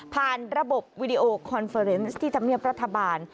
ผ่านระบบวิดีโอคอนเฟอร์เนส์ที่ธรรมเนียบรัฐบาล